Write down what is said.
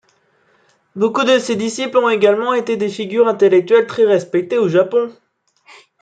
Beaucoup de ses disciples ont également été des figures intellectuelles très respectées au Japon.